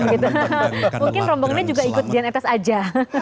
mungkin rombongannya juga ikut jan etes aja